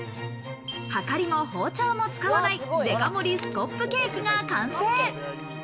量りも包丁も使わない、デカ盛りスコップケーキが完成。